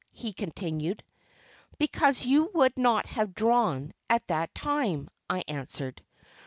he continued. "Because, you would not have 'drawn' at that time," I answered.